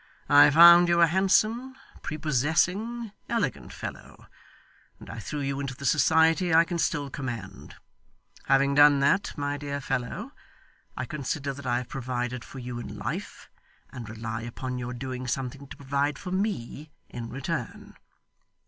I found you a handsome, prepossessing, elegant fellow, and I threw you into the society I can still command. Having done that, my dear fellow, I consider that I have provided for you in life, and rely upon your doing something to provide for me in return.